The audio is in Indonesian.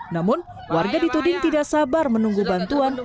namun warga dituding tidak sabar menunggu bantuan